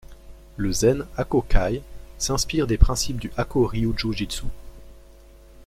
Le Zen Hakko Kaï s'inspire des principes du Hakko-Ryu-Ju-Jitsu.